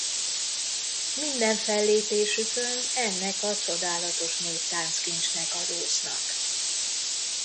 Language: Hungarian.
Minden fellépésükön ennek a csodálatos néptánc kincsnek adóznak.